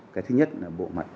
cái thứ nhất là bộ mặt